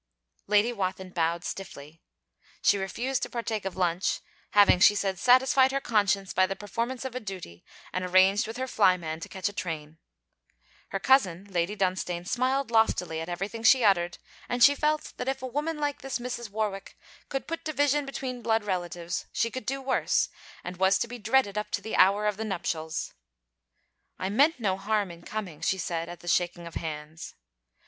Lady Wathin bowed stiffly. She refused to partake of lunch, having, she said, satisfied her conscience by the performance of a duty and arranged with her flyman to catch a train. Her cousin Lady Dunstane smiled loftily at everything she uttered, and she felt that if a woman like this Mrs. Warwick could put division between blood relatives, she could do worse, and was to be dreaded up to the hour of the nuptials. 'I meant no harm in coming,' she said, at the shaking of hands.